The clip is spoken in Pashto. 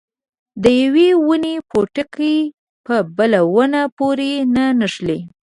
د یوې ونې پوټکي په بله ونه پورې نه نښلي.